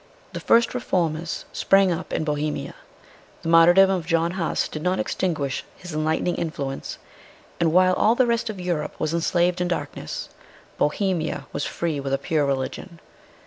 The first reformers sprang up in Bohemia. The martyrdom of John Huss did not extinguish his enlightening in fluence ; and while all the rest of Europe was enslaved in darkness, Bohemia was free with a pure religion.